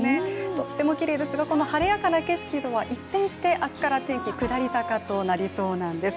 とってもきれいですがこの晴れやかな景色とは一転して明日から天気、下り坂となりそうなんです。